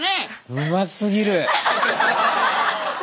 うますぎる！